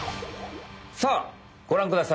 さあごらんください。